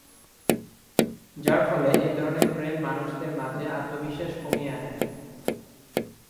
যার ফলে এই ধরনের প্রেম মানুষদের মাঝে আত্মবিশ্বাস কমিয়ে আনে।